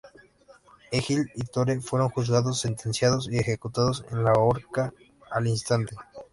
Egil y Tore fueron juzgados, sentenciados y ejecutados en la horca al instante.